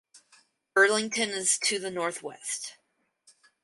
Burlington is to the northwest.